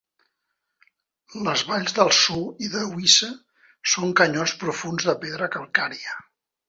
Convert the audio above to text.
Les valls d'Alzou i d'Ouysse són canyons profunds de pedra calcària.